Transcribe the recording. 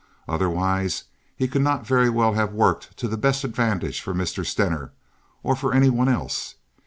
Otherwise he could not very well have worked to the best advantage for Mr. Stener, or for any one else.